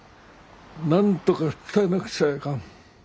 なんとか伝えなくちゃいかん。